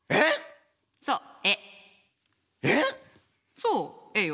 そう絵よ。